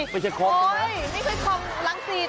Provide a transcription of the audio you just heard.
ไม่ใช่ครอง๑๔โอ๊ยนี่เป็นครองรังศิษย์